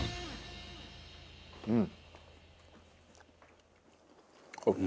うん。